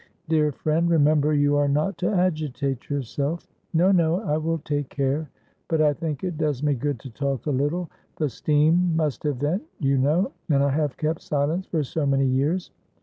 "Dear friend, remember you are not to agitate yourself." "No, no, I will take care; but I think it does me good to talk a little; the steam must have vent, you know, and I have kept silence for so many years.